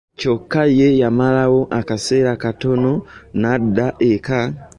Kyokka ye yamalawo akaseera katono n'adda eka.